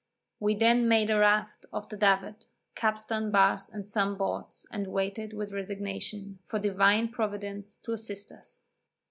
We then made a raft of the davit, capstan bars and some boards, and waited with resignation, for divine Providence to assist us.